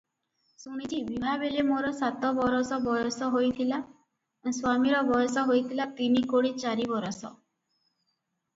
ଶୁଣିଛି, ବିଭାବେଳେ ମୋର ସାତବରଷ ବୟସ ହୋଇଥିଲା, ସ୍ୱାମୀର ବୟସ ହୋଇଥିଲା ତିନିକୋଡ଼ି ଚାରି ବରଷ ।